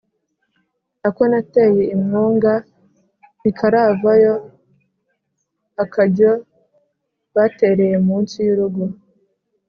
Ako nateye i Mwonga ntikaravayo-Akajyo batereye munsi y'urugo.